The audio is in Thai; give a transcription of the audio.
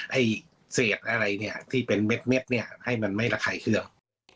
ให้เศษอะไรเนี่ยที่เป็นเม็ดเนี่ยให้มันไม่ระคายเครื่อง